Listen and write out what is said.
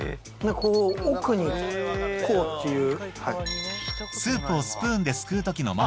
奥にこうっていう。